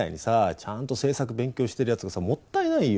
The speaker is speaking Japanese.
ちゃんと政策勉強してるやつがさもったいないよ。